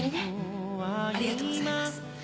ありがとうございます。